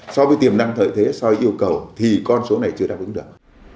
so với tiềm năng lợi thế so với yêu cầu thì con số này chưa đáp ứng được